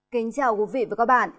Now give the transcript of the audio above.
kính chào quý vị và các bạn